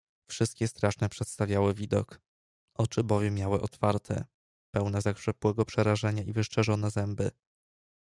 Wszystkie straszny przedstawiały widok, oczy bowiem miały otwarte, pełne zakrzepłego przerażenia i wyszczerzone zęby.